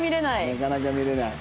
なかなか見れない。